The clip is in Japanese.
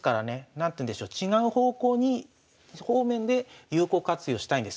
何ていうんでしょう違う方向に方面で有効活用したいんです。